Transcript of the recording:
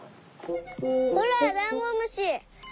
ほらダンゴムシ！